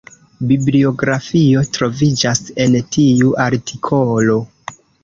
Bibliografio troviĝas en tiu artikolo.